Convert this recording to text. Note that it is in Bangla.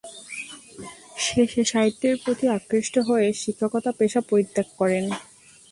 শেষে সাহিত্যের প্রতি আকৃষ্ট হয়ে শিক্ষকতা পেশা পরিত্যাগ করেন।